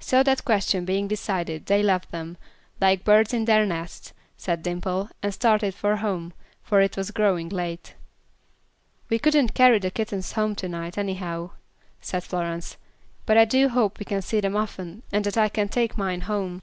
So that question being decided they left them, "like birds in their nest," said Dimple, and started for home, for it was growing late. "We couldn't carry the kittens home to night, anyhow," said Florence; "but I do hope we can see them often, and that I can take mine home."